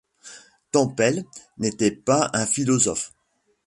Tempels n’était pas un philosophe.